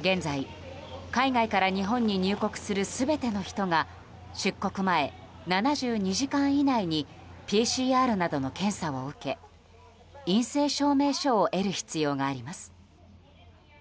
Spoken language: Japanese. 現在、海外から日本に入国する全ての人が出国７２時間以内にＰＣＲなどの検査を受け陰性証明書を得る必要があります。